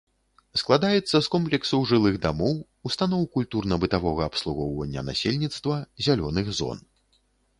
Складаецца з комплексу жылых дамоў, устаноў культурна-бытавога абслугоўвання насельніцтва, зялёных зон.